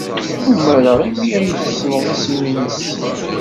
Umareɣ imi ay tessned isem-nnes.